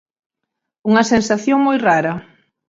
Unha sensación moi rara.